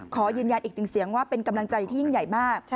ขอยืนยันอีกหนึ่งเสียงว่าเป็นกำลังใจที่ยิ่งใหญ่มาก